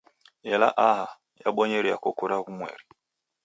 Ela aha, yabonyeria koko na w'umweri.